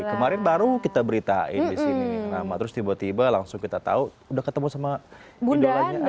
kemarin baru kita beritain disini terus tiba tiba langsung kita tahu udah ketemu sama indolanya